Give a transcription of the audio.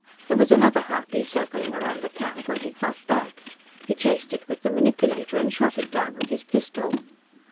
There was another harpy circling around the camp when he got back; he chased it with the manipulator and shot it down with his pistol.